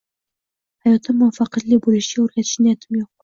Hayotda muvaffaqiyatli bo’lishga o’rgatish niyatim yo’q.